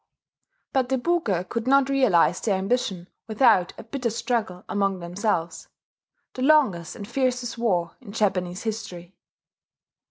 But the Buke could not realize their ambition without a bitter struggle among themselves, the longest and the fiercest war in Japanese history.